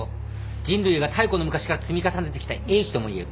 人類が太古の昔から積み重ねてきた英知ともいえる。